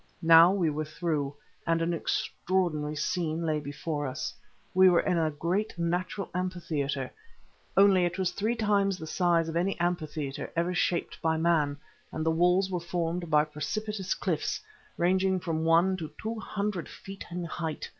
Now we were through, and an extraordinary scene lay before us. We were in a great natural amphitheatre, only it was three times the size of any amphitheatre ever shaped by man, and the walls were formed of precipitous cliffs, ranging from one to two hundred feet in height.